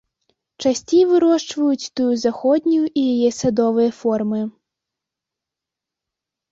Часцей вырошчваюць тую заходнюю і яе садовыя формы.